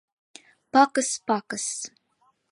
Пакыс, пакыс...